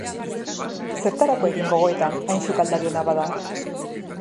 Zertarako egin gogoeta hain sukaldari ona bada?